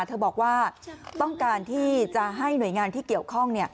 เธอบอกว่าต้องการที่จะให้หน่วยงานที่เกี่ยวข้อง